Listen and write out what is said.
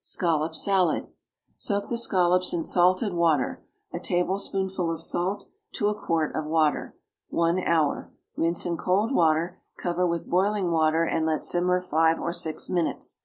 =Scallop Salad.= Soak the scallops in salted water (a tablespoonful of salt to a quart of water) one hour; rinse in cold water, cover with boiling water, and let simmer five or six minutes.